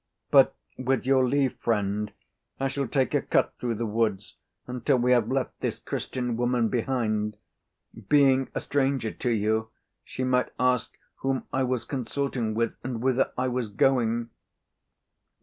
"But with your leave, friend, I shall take a cut through the woods until we have left this Christian woman behind. Being a stranger to you, she might ask whom I was consorting with and whither I was going."